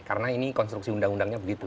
karena ini konstruksi undang undangnya begitu